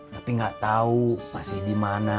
tapi nggak tahu masih dimana